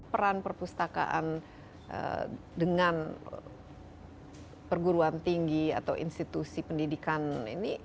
peran perpustakaan dengan perguruan tinggi atau institusi pendidikan ini